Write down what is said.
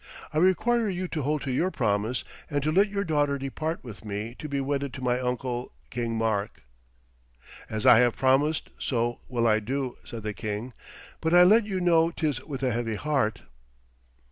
I require you to hold to your promise, and to let your daughter depart with me to be wedded to my uncle, King Mark.' 'As I have promised, so will I do,' said the king. 'But I let you know 'tis with a heavy heart.'